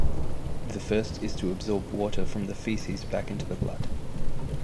The first is to absorb water from the feces back into the blood.